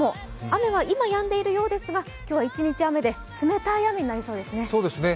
雨は今やんでいるようですが、今日は一日雨で冷たい雨になりそうですね。